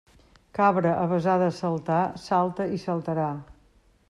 Cabra avesada a saltar salta i saltarà.